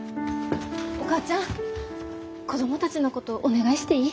お母ちゃん子供たちのことお願いしていい？